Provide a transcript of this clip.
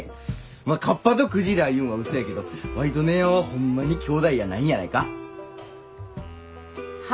まあカッパとクジラいうんはうそやけどワイと姉やんはホンマにきょうだいやないんやないか？は？